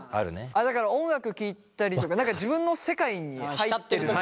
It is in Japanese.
だから音楽聴いたりとか自分の世界に入ってる時だね。